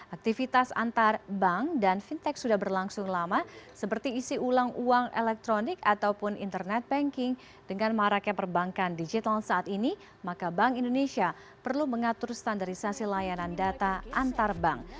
aktivitas antar bank dan fintech sudah berlangsung lama seperti isi ulang uang elektronik ataupun internet banking dengan maraknya perbankan digital saat ini maka bank indonesia perlu mengatur standarisasi layanan data antar bank